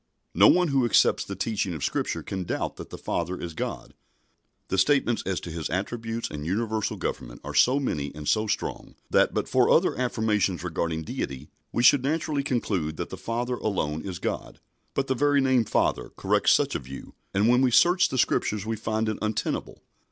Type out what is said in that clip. No one who accepts the teaching of Scripture can doubt that the Father is God. The statements as to His attributes and universal government are so many and so strong that, but for other affirmations regarding Deity, we should naturally conclude that the Father alone is God. But the very name "Father" corrects such a view, and when we search the Scriptures we find it untenable.